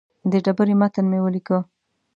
د ډبرې متن مې ولیکه.